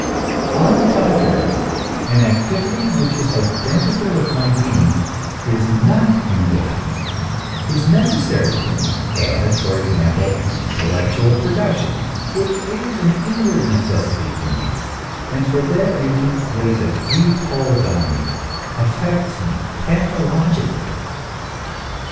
On the contrary, an activity which is identical with my being is not indifferent, is necessary to me, as for example intellectual production, which is an inward necessity to me; and for that reason lays a deep hold on me, affects me pathologically.